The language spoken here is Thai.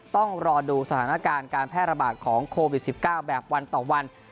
ต้องรอดูสถานการณ์การแพร่ระบาดของโควิด๑๙แบบวันต่อวัน